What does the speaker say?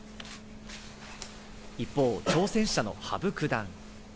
一方、挑戦者の羽生九段。